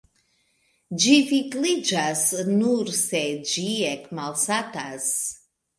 Ĝi vigliĝas nur, se ĝi ekmalsatas.